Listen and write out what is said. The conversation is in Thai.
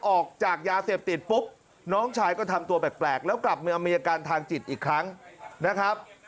ออกจากยาเสพติดปุ๊บน้องชายก็ทำตัวแปลกแล้วกลับมามีอาการทางจิตอีกครั้งนะครับ